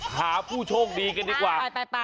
หาผู้โชคดีกันดีกว่า